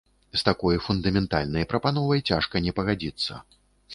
З такой фундаментальнай прапановай цяжка не пагадзіцца.